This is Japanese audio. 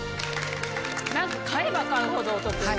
なんと買えば買うほどお得。